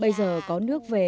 bây giờ có nước về